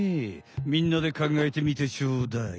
みんなでかんがえてみてちょうだい。